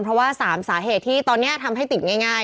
เพราะว่า๓สาเหตุที่ตอนนี้ทำให้ติดง่าย